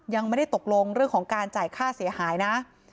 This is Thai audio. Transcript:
ยังไม่ได้ตกลงเรื่องของการจ่ายค่าเสียหายนะ